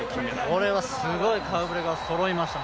これはすごい顔ぶれがそろいました。